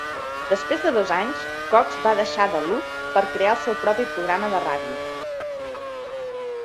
Després de dos anys, Cox va deixar The Loop per crear el seu propi programa de ràdio.